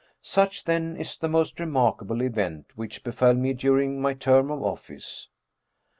Such, then is the most remarkable event which befel me during my term of office."